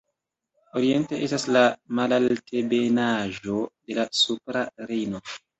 Oriente estas la malaltebenaĵo de la supra Rejno.